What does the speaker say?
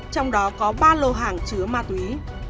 trong đó có ba lô hàng chứa ma túy